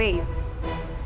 masih berhenti ya